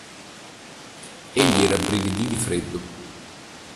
Egli rabbrividì di freddo.